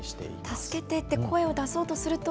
助けてという声を出そうとすると